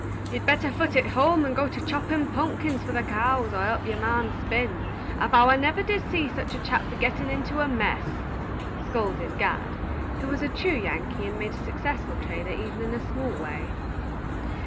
"You'd better foot it home and go to choppin' punkins for the cows, or help your marm spin. I vow I never did see such a chap for gettin' into a mess," scolded Gad, who was a true Yankee, and made a successful trader, even in a small way.